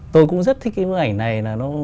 tôi cũng rất thích cái bức ảnh này